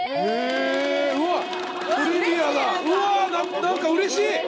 うれしい。